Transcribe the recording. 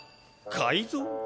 かいぞう？